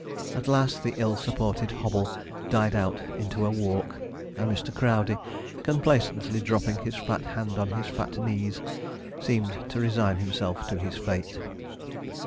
At last the ill supported hobble died out into a walk, and Mr. Crowdey, complacently dropping his fat hand on his fat knees, seemed to resign himself to his fate.